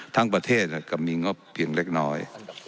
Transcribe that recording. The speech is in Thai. ทั้งประเทศก็มีงบเพียงเล็กน้อย